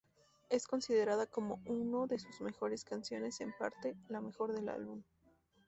Es considerada como uno de sus mejores canciones, en parte, la mejor del álbum.